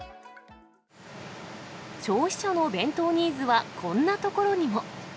消費者の弁当ニーズは、こんなところにも。